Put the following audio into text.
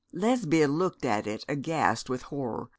Lesbia looked at it aghast with horror.